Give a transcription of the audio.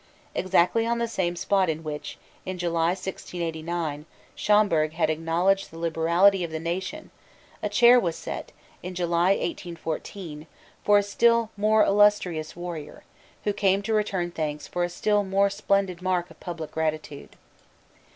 Exactly on the same spot on which, in July 1689, Schomberg had acknowledged the liberality of the nation, a chair was set, in July 1814, for a still more illustrious warrior, who came to return thanks for a still more splendid mark of public gratitude.